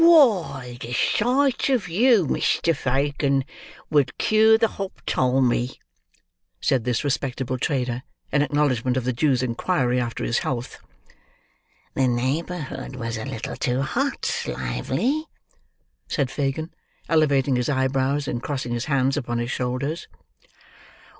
"Why, the sight of you, Mr. Fagin, would cure the hoptalmy!" said this respectable trader, in acknowledgment of the Jew's inquiry after his health. "The neighbourhood was a little too hot, Lively," said Fagin, elevating his eyebrows, and crossing his hands upon his shoulders.